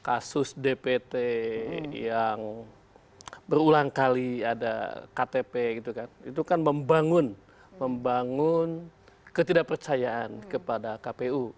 kasus dpt yang berulang kali ada ktp itu kan membangun ketidakpercayaan kepada kpu